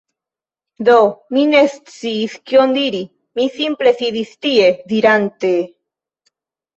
Do mi ne sciis kion diri, mi simple sidis tie, dirante "..."